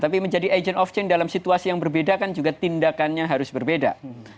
tapi menjadi agent of chain dalam situasi yang berbeda kan juga tindakannya harus berbeda